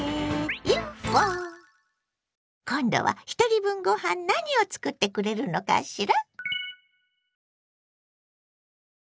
今度はひとり分ご飯何を作ってくれるのかしら？